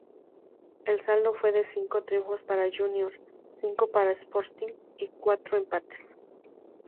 El saldo fue de cinco triunfos para Junior, cinco para Sporting y cuatro empates.